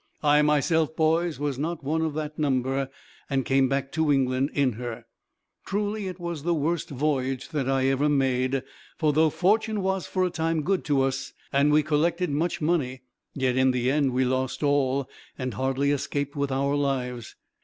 I myself, boys, was not one of that number, and came back to England in her. "Truly it was the worst voyage that I ever made, for though fortune was for a time good to us, and we collected much money; yet in the end we lost all, and hardly escaped with our lives.